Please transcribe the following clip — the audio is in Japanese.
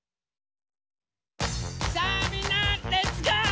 さあみんなレッツゴー！